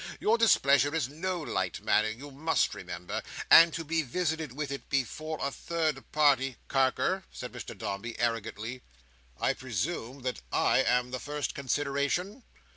Your displeasure is no light matter, you must remember; and to be visited with it before a third party—" "Carker," said Mr Dombey, arrogantly; "I presume that I am the first consideration?"